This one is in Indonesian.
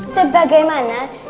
sebagaimana diriwayatkan dalam